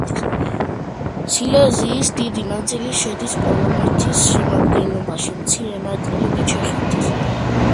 სილეზიის დიდი ნაწილი შედის პოლონეთის შემადგენლობაში, მცირე ნაწილი კი ჩეხეთის.